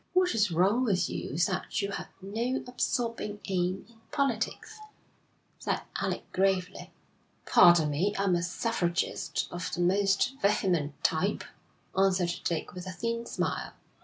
'What is wrong with you is that you have no absorbing aim in politics,' said Alec gravely. 'Pardon me, I am a suffragist of the most vehement type,' answered Dick, with a thin smile.